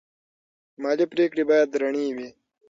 مالي پریکړې باید رڼې وي.